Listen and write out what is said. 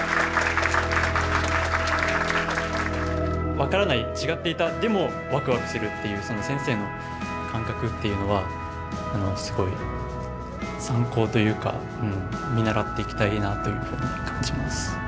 分からない違っていたでもワクワクするっていうその先生の感覚っていうのはすごい参考というか見習っていきたいなというふうに感じます。